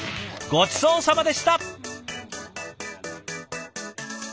ごちそうさまでした！